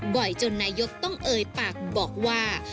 บ่อยจนนายกต้องเอ่ยปากบอกว่า